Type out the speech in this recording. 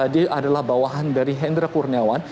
dia adalah bawahan dari hendra kurniawan